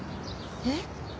えっ！？